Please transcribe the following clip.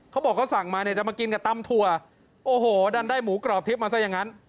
เขาบอกเขาสั่งมาเนี่ยจะมากินกับตำถั่วโอ้โหดันได้หมูกรอบทิพย์มาซะอย่างนั้น